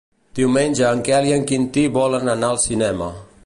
Diumenge en Quel i en Quintí volen anar al cinema.